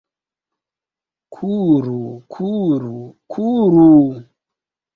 Kuru, kuru, kuru...